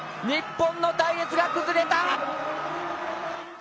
日本の隊列が崩れた。